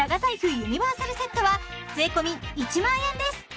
ユニバーサルセットは税込１万円です